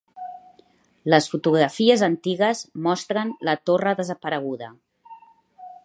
Les fotografies antigues mostren la torre desapareguda.